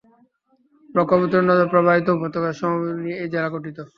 ব্রহ্মপুত্র নদ প্রবাহিত উপত্যকার সমভূমি নিয়ে এই জেলা গঠিত।